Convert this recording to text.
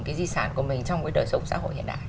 cái di sản của mình trong cái đời sống xã hội hiện đại